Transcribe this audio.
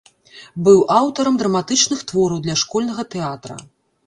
Быў аўтарам драматычных твораў для школьнага тэатра.